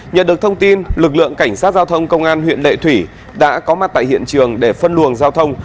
nhận được thông tin lực lượng cảnh sát giao thông công an huyện lệ thủy đã có mặt tại hiện trường để phân luồng giao thông